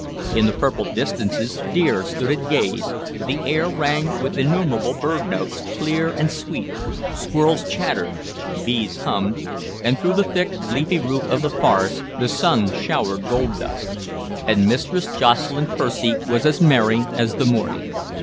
In the purple distances deer stood at gaze, the air rang with innumerable bird notes, clear and sweet, squirrels chattered, bees hummed, and through the thick leafy roof of the forest the sun showered gold dust. And Mistress Jocelyn Percy was as merry as the morning.